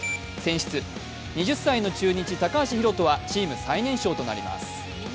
２０歳の中日・高橋宏斗はチーム最年少となります。